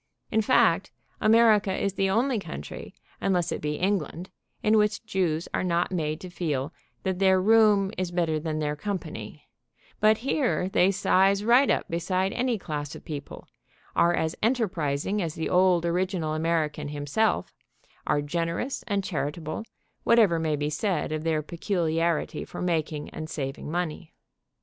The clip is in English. In fact, America is the only country, unless it be England, in which Jews are not made to feel that their room is better than their company, but here they size right up beside any class of people, are as enterprising as the old original American himself, are generous and chari table, whatever may be said of their peculiarity for making and saving money.